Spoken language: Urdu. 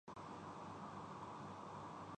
فطرت کا حصہ ہے